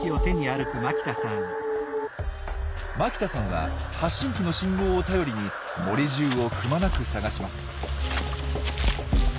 牧田さんは発信機の信号を頼りに森じゅうをくまなく探します。